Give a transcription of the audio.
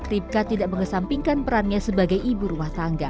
ripka tidak mengesampingkan perannya sebagai ibu rumah tangga